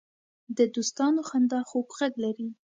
د دوستانو خندا خوږ غږ لري